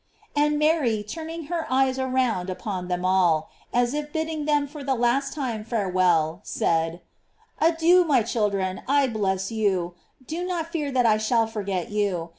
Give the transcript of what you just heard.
And Mary, turning her eyes around upon them all, as if bidding them for the last time farewell, said: Adieu, my children: I bless you; do not fear that I shall forget you.